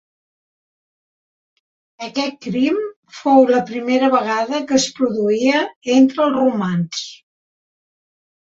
Aquest crim fou la primera vegada que es produïa entre els romans.